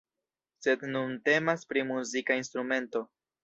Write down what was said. Sed nun temas pri muzika instrumento.